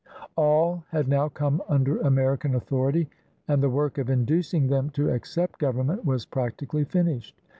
All had now come under American authority, and the work of inducing them to accept government was practically finished.